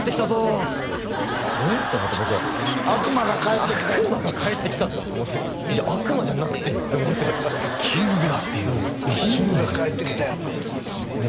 こううん？って思って僕は悪魔が帰ってきた「悪魔が帰ってきたぞ」？と思っていや悪魔じゃなくてって思ってキングだっていうキングが帰ってきたやんかとで